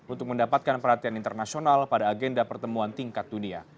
untuk mendapatkan perhatian internasional pada agenda pertemuan tingkat dunia